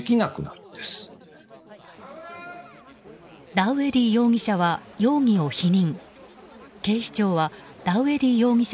ダウエディ容疑者は容疑を否認。